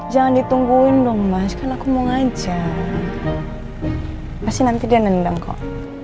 jangan ditungguin dong mas kan aku mau ngajak pasti nanti dia nendam kok